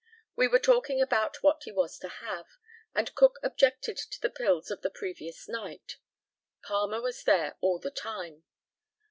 We were talking about what he was to have, and Cook objected to the pills of the previous night. Palmer was there all the time.